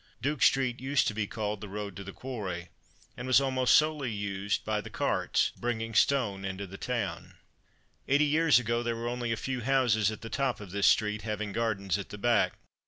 Duke street used to be called "The road to the Quarry," and was almost solely used by the carts bringing stone into the town. Eighty years ago, there were only a few houses at the top of this street, having gardens at the back.